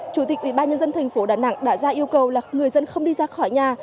chủ tịch ubnd tp đà nẵng đã ra yêu cầu là người dân không đi ra khỏi nhà